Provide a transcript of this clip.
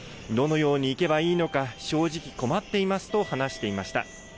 どのように行けばいいのか、正直、困っていますと話していました。